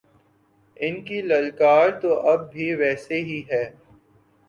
ان کی للکار تو اب بھی ویسے ہی ہے۔